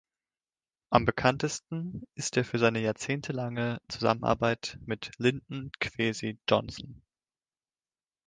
Am bekanntesten ist er für seine jahrzehntelange Zusammenarbeit mit Linton Kwesi Johnson.